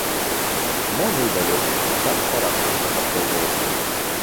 Можа, і да лепшага, так характар загартоўваецца.